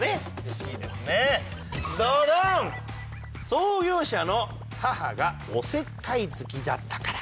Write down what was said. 「創業者の母がおせっかい好きだったから」